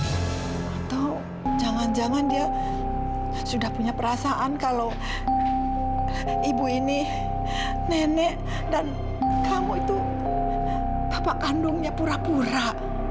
atau jangan jangan dia sudah punya perasaan kalau ibu ini nenek dan kamu itu bapak kandungnya pura pura